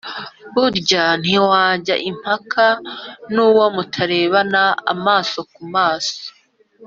burya ntiwajya impaka n’uwo mutarebana amaso ku maso.